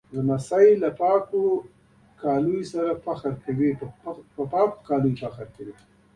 لمسی له پاکو جامو سره فخر کوي.